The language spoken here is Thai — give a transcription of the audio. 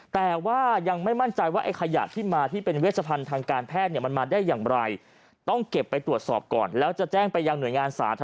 แต่ว่ายังไม่มั่นใจว่าไอ้ขยะ